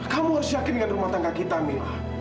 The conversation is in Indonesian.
kamu harus yakin dengan rumah tangga kita mila